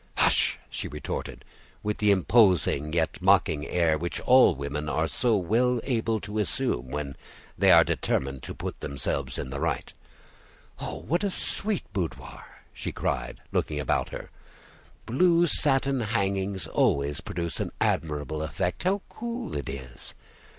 "Hush," she retorted, with the imposing, yet mocking, air which all women are so well able to assume when they are determined to put themselves in the right. "Oh! what a sweet boudoir!" she cried, looking about her. "Blue satin hangings always produce an admirable effect. How cool it is!